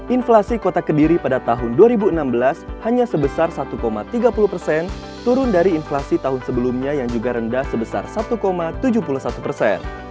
inflasi kota kediri pada tahun dua ribu enam belas hanya sebesar satu tiga puluh persen turun dari inflasi tahun sebelumnya yang juga rendah sebesar satu tujuh puluh satu persen